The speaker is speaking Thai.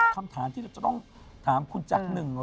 คำถามที่เราจะต้องถามคุณจาก๑๐๐